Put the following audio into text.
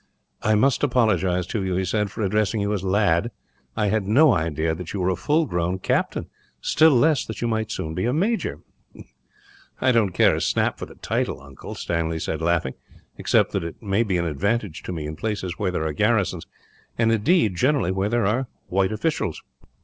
"I must apologize to you," he said, "for addressing you as 'lad.' I had no idea that you were a full grown captain, still less that you might soon be a major." "I don't care a snap for the title, uncle," Stanley said, laughing, "except that it may be an advantage to me, in places where there are garrisons; and indeed, generally where there are white officials."